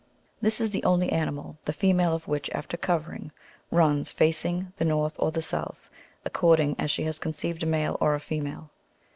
This is the only animal, the female of which, after covering, runs, facing the north or the south, ac cording as she has conceived a male or a female.